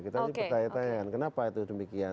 kita ini bertanya tanya kan kenapa itu demikian